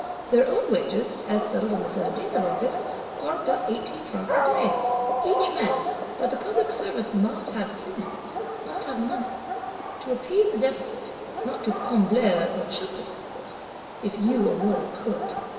Their own wages, as settled on the 17th of August, are but Eighteen Francs a day, each man; but the Public Service must have sinews, must have money. To appease the Deficit; not to "combler, or choke the Deficit," if you or mortal could!